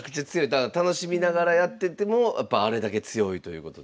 だから楽しみながらやっててもやっぱあれだけ強いということで。